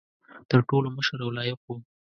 تر ټولو مشر او لایق وو.